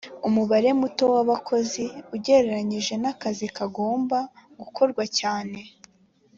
umubare muto w abakozi ugereranyije n akazi kagomba gukorwa cyane